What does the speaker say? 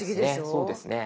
そうですね。